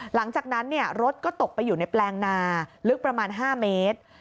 หลังจากนั้นรถก็ตกไปอยู่ในแปลงนาลึกประมาณ๕เมตร